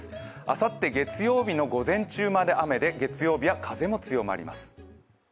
あさって月曜日の午前中まで雨で月曜日は風も強まります。